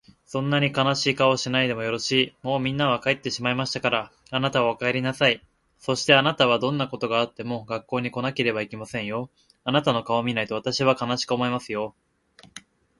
「そんなに悲しい顔をしないでもよろしい。もうみんなは帰ってしまいましたから、あなたはお帰りなさい。そして明日はどんなことがあっても学校に来なければいけませんよ。あなたの顔を見ないと私は悲しく思いますよ。屹度ですよ。」